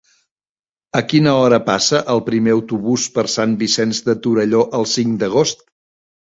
A quina hora passa el primer autobús per Sant Vicenç de Torelló el cinc d'agost?